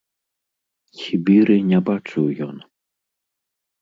Сібіры не бачыў ён.